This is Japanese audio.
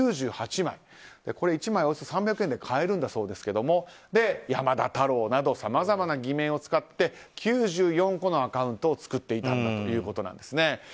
これ、１枚およそ３００円で買えるんだそうですけど山田太郎などさまざまな偽名を使って９４個のアカウントを作っていたということです。